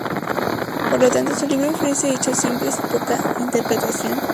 Por lo tanto su libro ofrece hechos simples y poca interpretación.